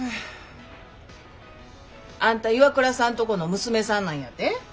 あんたＩＷＡＫＵＲＡさんとこの娘さんなんやて？